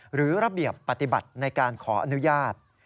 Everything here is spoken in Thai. หรือระเบียบปฏิบัติในการขออนุญาต